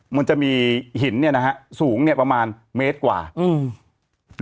มันจะมีหินเนี่ยนะฮะสูงเนี้ยประมาณเมตรกว่าอืม